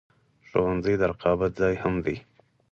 ښوونځی د رقابت ځای هم دی